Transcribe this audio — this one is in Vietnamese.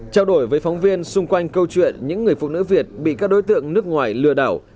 trao đổi với phóng viên xung quanh câu chuyện những người phụ nữ việt bị các đối tượng nước ngoài lừa đảo